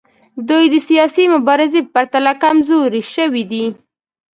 دوی د سیاسي مبارزې په پرتله کمزورې شوي دي